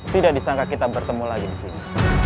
tidak disangka kita bertemu lagi disini